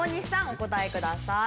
お答えください。